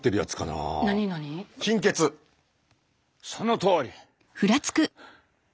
そのとおり貧血。